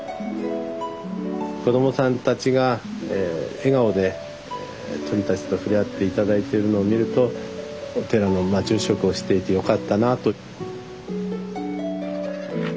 子供さんたちが笑顔で鳥たちと触れ合って頂いてるのを見るとお寺の住職をしていてよかったなと。